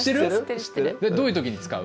どういう時に使う？